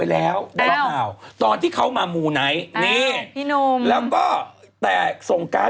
แล้วก็เขียนว่า